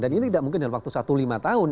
dan ini tidak mungkin dalam waktu satu lima tahun